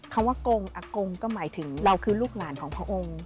คำว่ากงอากงก็หมายถึงเราคือลูกหลานของพระองค์